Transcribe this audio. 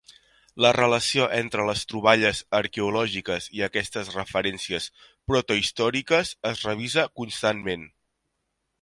La relació entre les troballes arqueològiques i aquestes referències protohistòriques es revisa constantment.